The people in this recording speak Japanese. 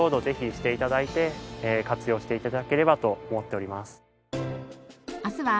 ぜひして頂いて活用して頂ければと思っております。